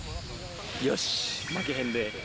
よし負けへんで！